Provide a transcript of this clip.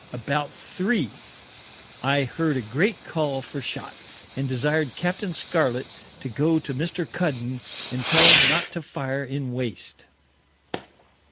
About Three, I heard a great Call for Shot, and desired Capt. Scarlet to go to Mr. Cuddon, and tell him not to fire in Waste.